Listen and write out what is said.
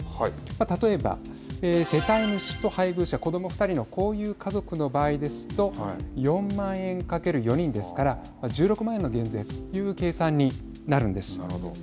例えば、世帯主と配偶者子ども２人のこういう家族の場合ですと４万円かける４人ですから１６万円の減税という計算になるんです。